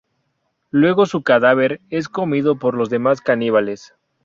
Luego su cadáver es comido por los demás caníbales.